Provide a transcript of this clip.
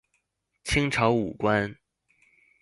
清朝武官。